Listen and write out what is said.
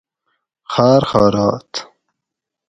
خارخارات